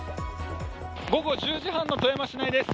午後１０時半の富山市内です